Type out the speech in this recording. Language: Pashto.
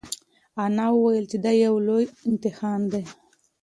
انا وویل چې دا یو لوی امتحان دی.